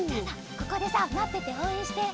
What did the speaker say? ここでさまってておうえんして。